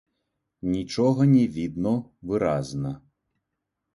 Нічога не відно выразна.